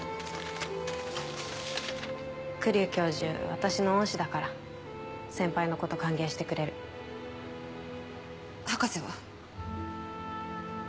私の恩師だから先輩のこと歓迎してくれる博士は？